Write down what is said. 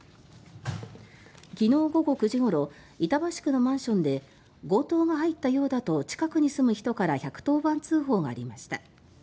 昨日午後９時ごろ板橋区のマンションで強盗が入ったようだと近くに住む人から１１０番通報がありました。